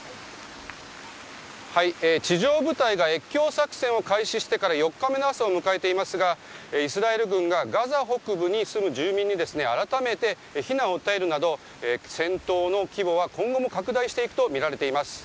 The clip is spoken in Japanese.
地上部隊が越境作戦を開始してから４日目の朝を迎えていますがイスラエル軍がガザ北部に住む住民に改めて避難を訴えるなど戦闘の規模は今後も拡大していくとみられています。